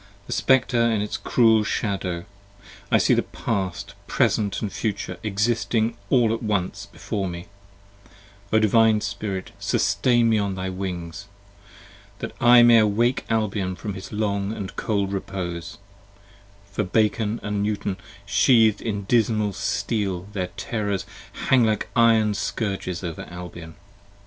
The Spectre & its cruel Shadow. I see the Past, Present & Future, existing all at once Before me; O Divine Spirit sustain me on thy wings! 10 That I may awake Albion from his long & cold repose. For Bacon & Newton sheath'd in dismal steel their terrors hang Like iron scourges over Albion.